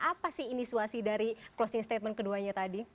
apa sih inisiasi dari closing statement keduanya tadi